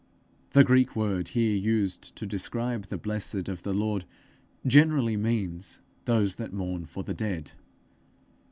The Greek word here used to describe the blessed of the Lord, generally means those that mourn for the dead.